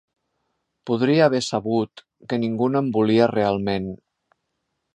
Podria haver sabut que ningú no em volia realment.